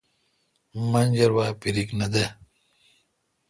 منجر وا فیرک نہ دے۔